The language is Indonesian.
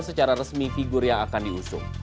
secara resmi figur yang akan diusung